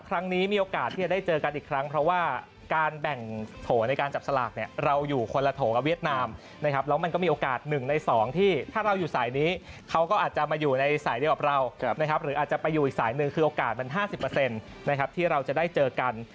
มีโอกาสที่จะได้เจอกันอีกครั้งเพราะว่าการแบ่งโถในการจับสลากเนี่ยเราอยู่คนละโถกับเวียดนามนะครับแล้วมันก็มีโอกาส๑ใน๒ที่ถ้าเราอยู่สายนี้เขาก็อาจจะมาอยู่ในสายเดียวกับเรานะครับหรืออาจจะไปอยู่อีกสายหนึ่งคือโอกาสมัน๕๐นะครับที่เราจะได้เจอกัน